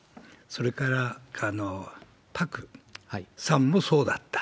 それから、パクさんもそうだった。